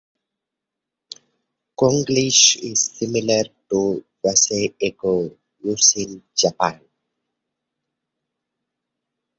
Konglish is similar to Wasei-eigo use in Japan.